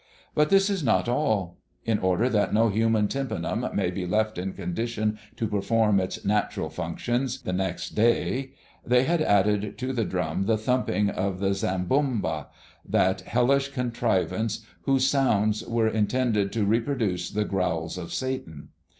But this is not all. In order that no human tympanum may be left in condition to perform its natural functions the next day, they have added to the drum the thumping of the zambomba, that hellish contrivance whose sounds were intended to reproduce the growls of Satan.